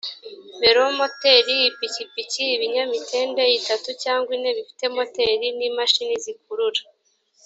velomoteri ipikipiki ibinyamitende itatu cyangwa ine bifite moteri n imashini zikurura